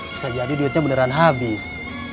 bisa jadi duitnya beneran habis